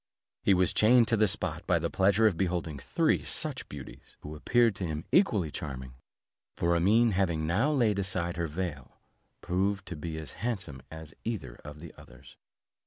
He was chained to the spot by the pleasure of beholding three such beauties, who appeared to him equally charming; for Amene having now laid aside her veil, proved to be as handsome as either of the others.